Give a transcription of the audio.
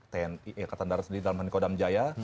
tni dan ketandaran sendiri dalam nikodam jaya